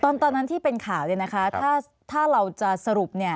ตอนนั้นที่เป็นข่าวถ้าเราจะสรุป